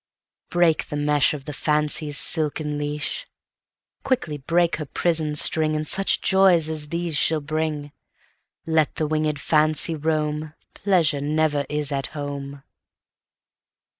—Break the meshOf the Fancy's silken leash; Quickly break her prison stringAnd such joys as these she'll bring.—Let the winged Fancy roam, Pleasure never is at home.